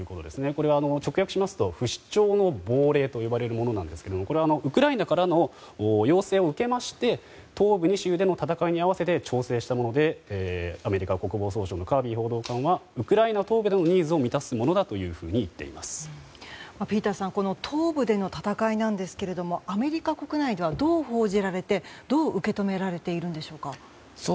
これは直訳しますと不死鳥の亡霊と呼ばれるものなんですがこれはウクライナからの要請を受けまして東部２州での戦いを受けて調整したものでアメリカ国防総省のカービー報道官はウクライナ東部でのニーズをピーターさん東部での戦いですがアメリカ国内ではどう報じられてどう受け止められているんでしょうか？